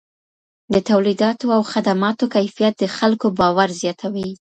د توليداتو او خدماتو کیفیت د خلکو باور زیاتوي.